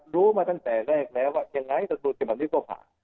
รู้มาตั้งแต่แรกแล้วว่าอย่างไรสถุทธิบันนี้ก็ผ่าน